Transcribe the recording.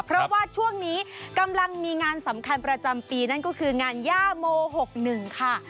เพราะว่าช่วงนี้กำลังมีงานสำคัญประจำปีนั่นก็คืองานย่าโม๖๑ค่ะ